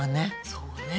そうね。